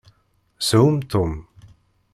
Shum Tom!